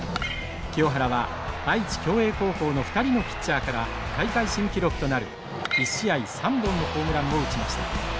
清原は愛知享栄高校の２人のピッチャーから大会新記録となる１試合３本のホームランを打ちました。